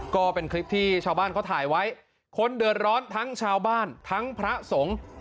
ก็เป็นคลิปที่ชาวบ้านเขาถ่ายไว้คนเดือดร้อนทั้งชาวบ้านทั้งพระสงฆ์